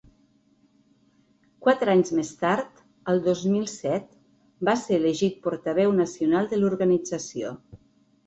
Quatre anys més tard, el dos mil set, va ser elegit portaveu nacional de l’organització.